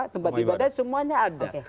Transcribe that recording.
tempat ibadah semuanya ada